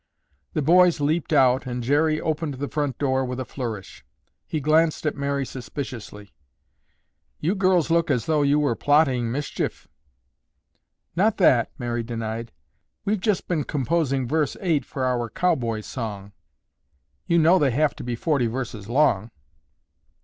The boys leaped out and Jerry opened the front door with a flourish. He glanced at Mary suspiciously. "You girls look as though you were plotting mischief." "Not that," Mary denied. "We've just been composing Verse Eight for our Cowboy Song. You know they have to be forty verses long.